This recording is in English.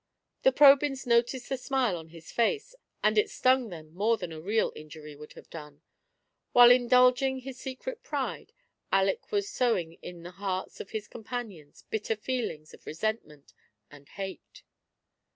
The Probyns noticed the smile on his face, and it stung them more than a real injury would have done ; while indulging his secret pride, Aleck was sowing in the hearts of his companions bitter feelings of resentment and hate.